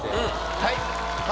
はい